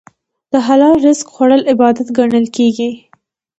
د حلال رزق خوړل عبادت ګڼل کېږي.